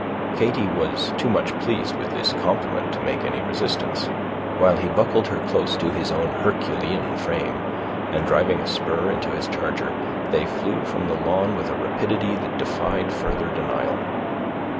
Katy was too much pleased with this compliment to make any resistance, while he buckled her close to his own herculean frame, and, driving a spur into his charger, they flew from the lawn with a rapidity that defied further denial.